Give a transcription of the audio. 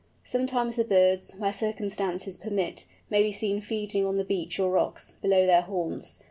Sometimes the birds, where circumstances permit, may be seen feeding on the beach or rocks below their haunts.